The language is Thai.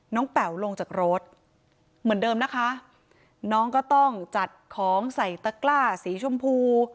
แป๋วลงจากรถเหมือนเดิมนะคะน้องก็ต้องจัดของใส่ตะกล้าสีชมพู